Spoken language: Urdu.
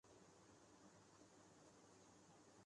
آپ سب سے زیادہ کس سے محبت کرتی ہو؟